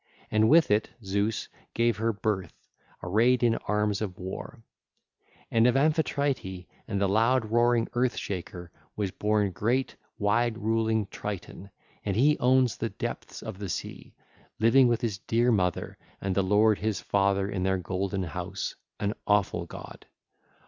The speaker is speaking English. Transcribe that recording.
And with it (Zeus) gave her birth, arrayed in arms of war. (ll. 930 933) And of Amphitrite and the loud roaring Earth Shaker was born great, wide ruling Triton, and he owns the depths of the sea, living with his dear mother and the lord his father in their golden house, an awful god.